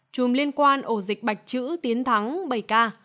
chùm liên quan ổ dịch bạch chữ tiến thắng bảy k